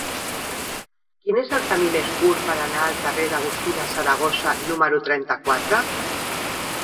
Quin és el camí més curt per anar al carrer d'Agustina Saragossa número trenta-quatre?